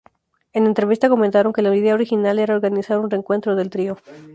En entrevista comentaron que la idea original era organizar un reencuentro del trío.